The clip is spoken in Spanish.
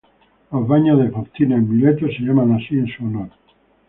Los Baños de Faustina en Mileto se llaman así en su honor.